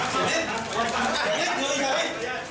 เชิญครับตรงนี้ครับเข้ามาเถอะอยู่ตรงนี้